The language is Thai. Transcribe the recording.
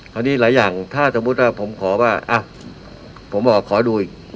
ตอนนี้หลายอย่างถ้าสมมุติว่าผมขอว่าอ่ะผมบอกว่าขอดูอีก